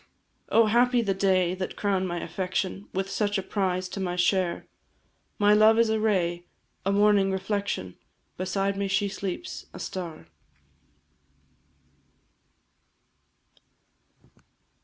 Oh, happy the day that crown'd my affection With such a prize to my share! My love is a ray, a morning reflection, Beside me she sleeps, a star.